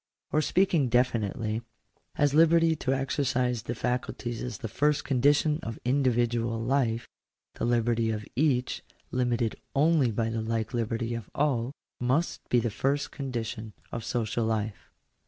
Or, speaking definitely, as liberty to exercise the faculties is the first condition of individual life, the liberty of each, limited only by the like liberty of all, must be the first condition of social life.